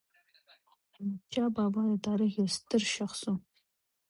احمدشاه بابا د تاریخ یو ستر شخص و.